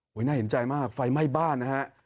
หวัยน่าเห็นใจมากไฟไหม้บ้านเพราะครับ